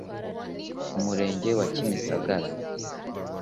Umurenge wa Kimisagara